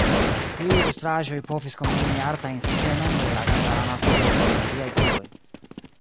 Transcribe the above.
Tiuj ilustraĵoj povis kombini artajn scenojn de la kamparana vivo kun religiaj bildoj.